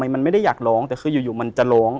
มันไม่ได้อยากร้องแต่คืออยู่มันจะร้อง